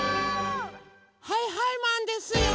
はいはいマンですよ！